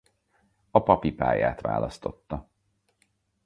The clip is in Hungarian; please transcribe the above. A papi pályát választotta.